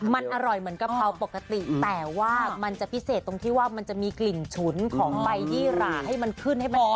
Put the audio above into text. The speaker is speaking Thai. มันอร่อยเหมือนกะเพราปกติแต่ว่ามันจะพิเศษตรงที่ว่ามันจะมีกลิ่นฉุนของใบยี่หราให้มันขึ้นให้มันพอ